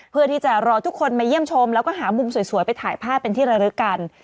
เพื่อที่จะรอทุกคนมาเยี่ยมชมแล้วก็หามุมสวยไปถ่ายภาพเป็นที่ระลึกกัน